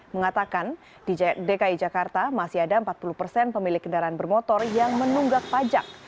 mengatakan di dki jakarta masih ada empat puluh persen pemilik kendaraan bermotor yang menunggak pajak